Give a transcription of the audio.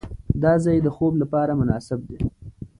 دا ځای د خوب لپاره مناسب دی.